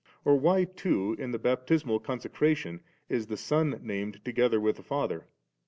or why too in the baptismal consecration is the Son named to gether with the Father?